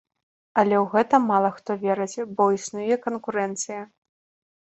Але ў гэта мала хто верыць, бо існуе канкурэнцыя.